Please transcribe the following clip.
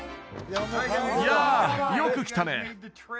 やあよく来たね